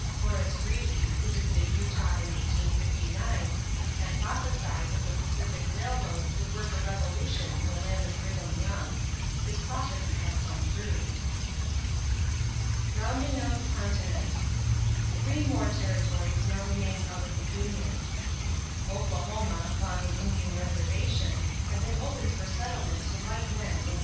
Horace Greeley, who visited Utah in 1859, had prophesied that the Pacific Railroad would work a revolution in the land of Brigham Young. His prophecy had come true. [Illustration: THE UNITED STATES IN 1912] =Rounding out the Continent.= Three more territories now remained out of the Union. Oklahoma, long an Indian reservation, had been opened for settlement to white men in 1889.